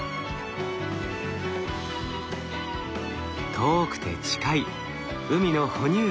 遠くて近い海の哺乳類。